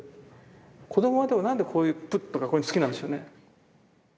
子どもはでも何でこういう「ぷっ」とかこういうの好きなんでしょうね。